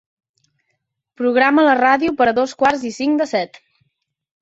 Programa la ràdio per a dos quarts i cinc de set.